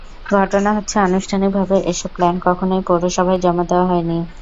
ঘটনা হচ্ছে, আনুষ্ঠানিকভাবে এসব প্ল্যান কখনোই পৌরসভায় জমা দেওয়া হয়নি।